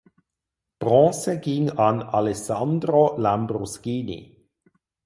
Bronze ging an Alessandro Lambruschini.